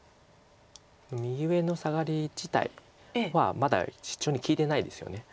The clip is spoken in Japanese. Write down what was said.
右上のサガリ自体はまだシチョウに利いてないですよね。